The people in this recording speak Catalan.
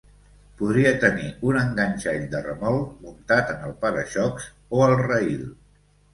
Podria tenir un enganxall de remolc muntat en el para-xocs o al rail.